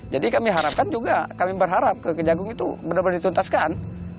jadi kami harapkan juga kami berharap kekejagung itu benar benar dituntaskan